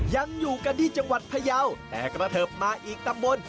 ยังอยู่กันที่จังหวัดพยาวแต่กระเทิบมาอีกตำบล